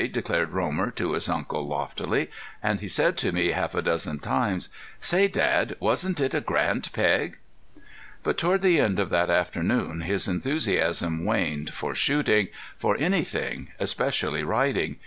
declared Romer to his uncle, loftily. And he said to me half a dozen times: "Say, Dad, wasn't it a grand peg?" But toward the end of that afternoon his enthusiasm waned for shooting, for anything, especially riding.